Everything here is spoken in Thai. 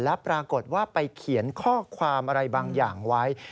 แล้วปรากฏว่าไปเขียนข้อความอะไรบางอย่างไว้